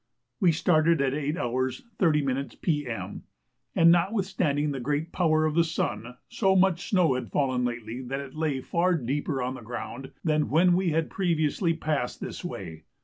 We started at 8h. 30m. P.M., and notwithstanding the great power of the sun, so much snow had fallen lately that it lay far deeper on the ground than when we had previously passed this way.